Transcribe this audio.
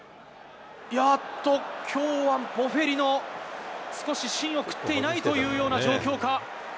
あっと、きょうはボッフェリの、少し芯を食っていないというような状況か？